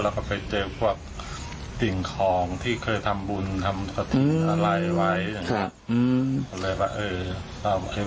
แล้วก็ไปเจอพวกสิ่งคลองที่เคยทำบุญทำพะถิ่นอะไรไว้ครับเราก็เรียกว่าเออ